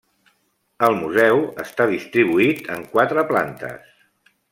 El museu està distribuït en quatre plantes.